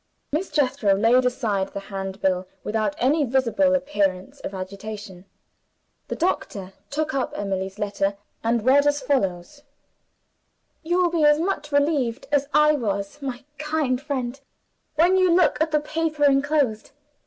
Miss Jethro laid aside the Handbill without any visible appearance of agitation. The doctor took up Emily's letter, and read as follows: "You will be as much relieved as I was, my kind friend, when you look at the paper inclosed.